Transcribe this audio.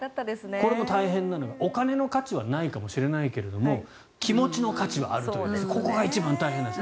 これも大変なのがお金の価値はないかもしれないけれど気持ちの価値はあるというここが一番大変なんです。